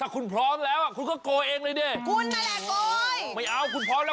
คุณคะตั้งใจหน่อยคุณคณะคุณโกยสิ